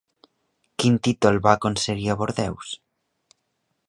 Quin títol va aconseguir a Bordeus?